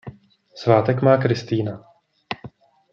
Svátek má Kristýna.